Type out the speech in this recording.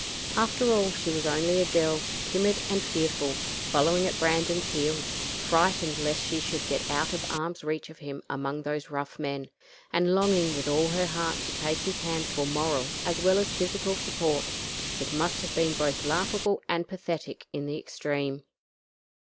After all she was only a girl, timid and fearful, following at Brandon's heels; frightened lest she should get out of arm's reach of him among those rough men, and longing with all her heart to take his hand for moral as well as physical support. It must have been both laughable and pathetic in the extreme.